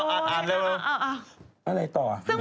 เอ้หลงจิต